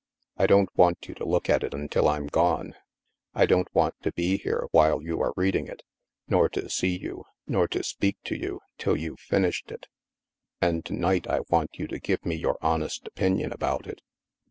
" I don't want you to look at it until I'm gone. I don't want to be here while you are reading it, nor to see you, nor to speak to you, till you've finished it. And to night I want you to give me your honest opinion about it."